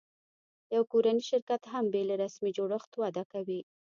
یو کورنی شرکت هم بېله رسمي جوړښت وده کوي.